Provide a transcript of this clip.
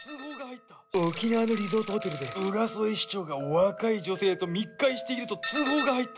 沖縄のリゾートホテルで浦添市長が若い女性と密会していると通報が入った。